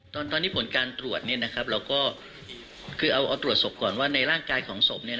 ตอนนี้ผลการตรวจคือเอาตรวจสดก่อนว่าในร่างกายของศพ